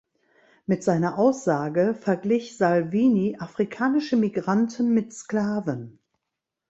Mit seiner Aussage verglich Salvini afrikanische Migranten mit Sklaven.